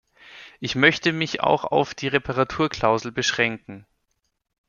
Ich möchte mich auch auf die Reparaturklausel beschränken.